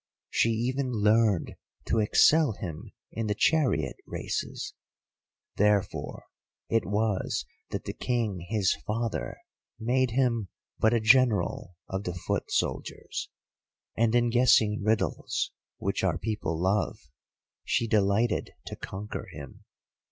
She even learned to excel him in the chariot races—therefore it was that the King his father made him but a General of the Foot Soldiers—and in guessing riddles, which our people love, she delighted to conquer him.